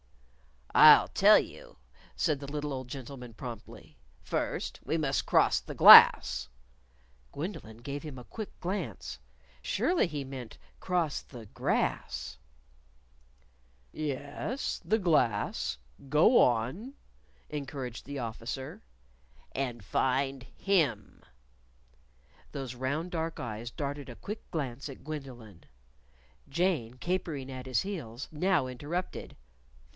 "I'll tell you," said the little old gentleman promptly. "First, we must cross the Glass " Gwendolyn gave him a quick glance. Surely he meant cross the grass. "Yes, the Glass; go on," encouraged the Officer. " And find him." Those round dark eyes darted a quick glance at Gwendolyn. Jane, capering at his heels, now interrupted.